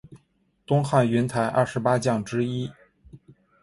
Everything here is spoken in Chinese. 东汉云台二十八将之一。